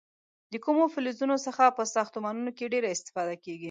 د کومو فلزونو څخه په ساختمانونو کې ډیره استفاده کېږي؟